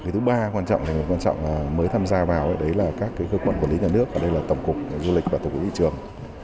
thứ ba quan trọng là những người mới tham gia vào đấy là các cơ quan quản lý nhà nước và đây là tổng cục du lịch và tổng cục thị trường